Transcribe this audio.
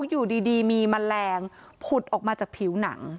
อยู่ดีมีแมลงผุดออกมาจากผิวหนัง